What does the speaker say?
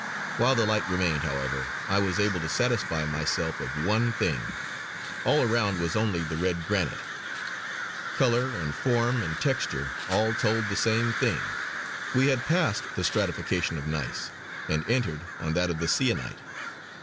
While the light remained, however, I was able to satisfy myself of one thing; all around was only the red granite. Colour and form and texture all told the same thing; we had passed the stratification of gneiss and entered on that of the sienite.